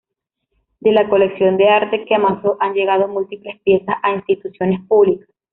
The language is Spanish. De la colección de arte que amasó han llegado múltiples piezas a instituciones públicas.